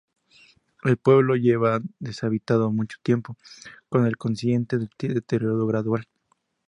El pueblo lleva deshabitado mucho tiempo, con el consiguiente deterioro gradual.